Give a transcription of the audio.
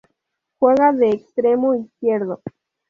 Juega de extremo izquierdo.